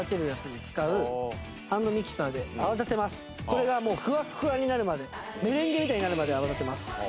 これがもうふわっふわになるまでメレンゲみたいになるまで泡立てます。